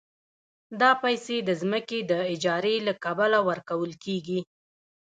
دا پیسې د ځمکې د اجارې له کبله ورکول کېږي